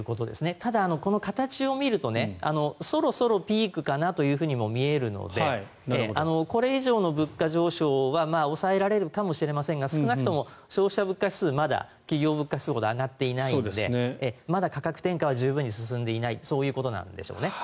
ただ、形を見るとそろそろピークかなとも見えるのでこれ以上の物価上昇は抑えられるかもしれませんが少なくとも消費者物価指数はまだ企業物価指数ほど上がっていないのでまだ価格転嫁は十分に進んでいないそういうことなんでしょうね。